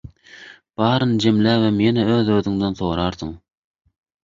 baryny jemläbem ýene öz-özüňden sorarsyň: